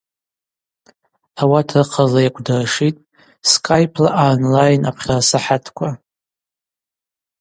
Ауат рыхъазла йакӏвдыршитӏ скайпла аонлайн апхьарасахӏатква.